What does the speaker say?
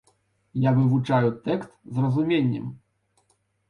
Я вывучаю тэкст з разуменнем.